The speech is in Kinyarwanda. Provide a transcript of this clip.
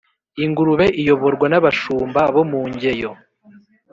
Ingurube iyoborwa n'abashumba bo mu Ngeyo